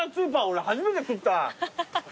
俺初めて食った。